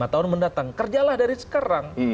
lima tahun mendatang kerjalah dari sekarang